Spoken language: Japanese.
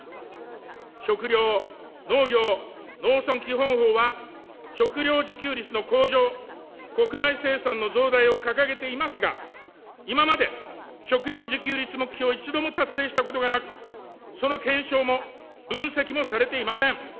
食料・農業・農村基本法は、食料自給率の向上、国内生産の増大を掲げていますが、今まで食料自給率目標を一度も達成したことがなく、その検証も分析もされていません。